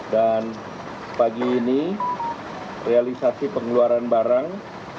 dan pagi ini realisasi pengeluaran barang